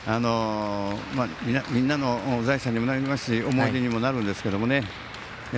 みんなの財産にもなりますし思い出にもなるんですけどね。